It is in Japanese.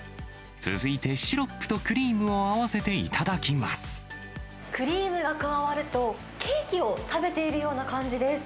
続いてシロップとクリームをクリームが加わると、ケーキを食べているような感じです。